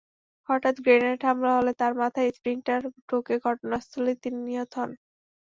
হঠাৎ গ্রেনেড হামলা হলে তাঁর মাথায় স্প্লিন্টার ঢুকে ঘটনাস্থলেই তিনি নিহত হন।